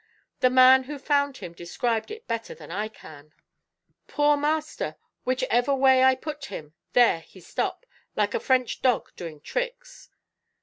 The man who found him described it better than I can. 'Poor master, whichever way I put him, there he stop, like a French dog doing tricks.